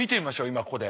今ここで。